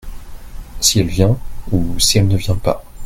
si elle vient ou si elle ne vient pas.